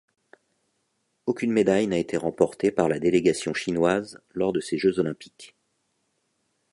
Aucune médaille n'a été remportée par la délégation chinoise lors de ces Jeux olympiques.